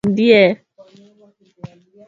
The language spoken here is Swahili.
Kulindika mifugo katika malisho